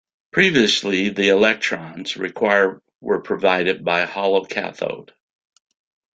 Previously the electrons required were provided by a hollow cathode.